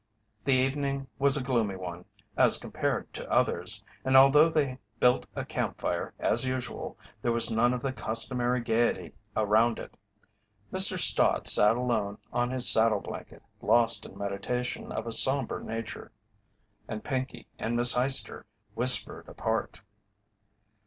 The evening was a gloomy one as compared to others, and although they built a camp fire as usual there was none of the customary gaiety around it. Mr. Stott sat alone on his saddle blanket lost in meditation of a sombre nature, and Pinkey and Miss Eyester whispered apart.